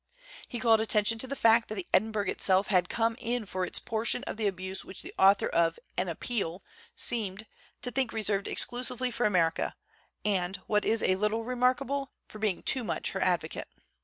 He called attention to the fact that the Edinburgh itself had come in for its portion of the abuse which the author of 'An Appeal' seemed "to think reserved exclusively for America, and, what is a little remarkable, for being too much her advocate."